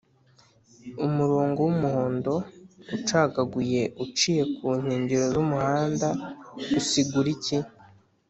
umurongo w’umuhondo ucagaguye uciye ku nkengero z’umuhanda usigura iki